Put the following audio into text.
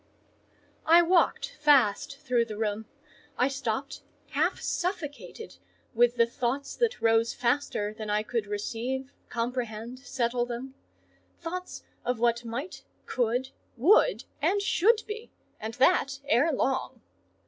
I walked fast through the room: I stopped, half suffocated with the thoughts that rose faster than I could receive, comprehend, settle them:—thoughts of what might, could, would, and should be, and that ere long.